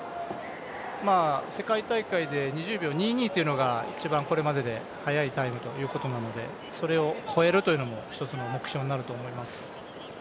世界大会で２０秒２２というのが一番これまでで速いタイムということなのでそれを超えるというのも１つの目標になると思います。